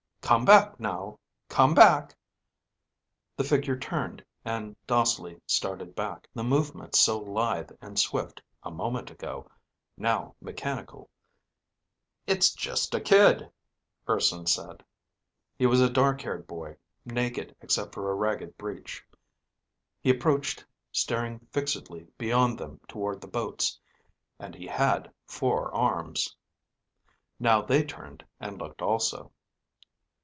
"Come back, now! Come back!" The figure turned, and docilely started back, the movements so lithe and swift a moment ago, now mechanical. "It's just a kid," Urson said. He was a dark haired boy, naked except for a ragged breech. He approached staring fixedly beyond them toward the boats. And he had four arms. Now they turned and looked also.